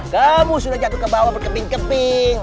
kamu sudah jatuh ke bawah berkeping keping